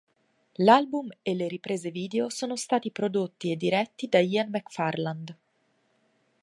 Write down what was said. L'album e le riprese video sono stati prodotti e diretti da Ian McFarland.